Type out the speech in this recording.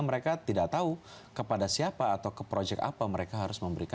mereka tidak tahu kepada siapa atau kemana mereka membuat film dan mereka tidak tahu kemana mereka